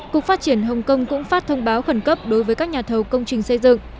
cục phát triển hồng kông cũng phát thông báo khẩn cấp đối với các nhà thầu công trình xây dựng